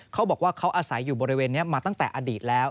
เขาบอกว่าเขาอาศัยอยู่บริเวณนี้มาตั้งแต่อดีตแล้ว